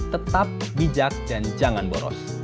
tetap bijak dan jangan boros